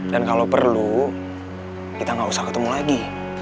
dan kalau perlu kita gak usah ketemu lagi